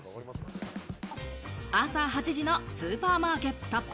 朝８時のスーパーマーケット。